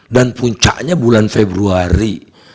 dan puncaknya bulan februari